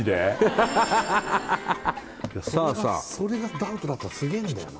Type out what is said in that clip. フハハハハそれがダウトだったらすげえんだよな